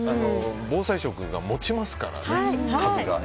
防災食が持ちますからね。